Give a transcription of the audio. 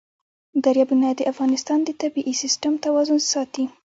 دریابونه د افغانستان د طبعي سیسټم توازن ساتي.